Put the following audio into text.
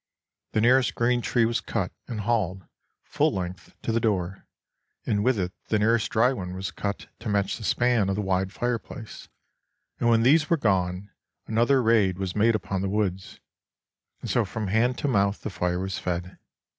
The nearest green tree was cut, and hauled, full length, to the door, and with it the nearest dry one was cut to match the span of the wide fireplace; and when these were gone, another raid was made upon the woods; and so from hand to mouth the fire was fed.